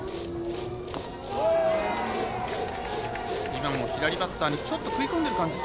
今も左バッターにちょっと食い込んでいる感じ。